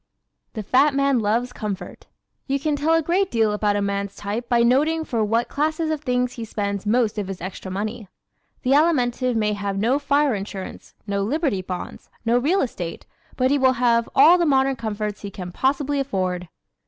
The Fat Man Loves Comfort ¶ You can tell a great deal about a man's type by noting for what classes of things he spends most of his extra money. The Alimentive may have no fire insurance, no Liberty bonds, no real estate but he will have all the modern comforts he can possibly afford.